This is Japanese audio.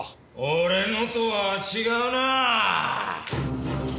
俺のとは違うなぁ！